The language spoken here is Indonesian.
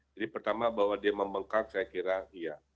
jadi pertama bahwa dia membengkak saya kira iya